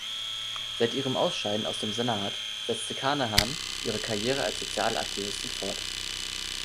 Seit ihrem Ausscheiden aus dem Senat setzte Carnahan ihre Karriere als soziale Aktivistin fort.